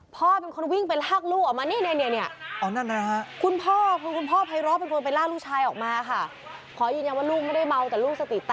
พ่อเป็นคนวิ่งไปลากลูกออกมานี่